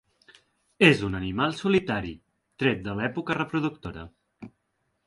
És un animal solitari, tret de l'època reproductora.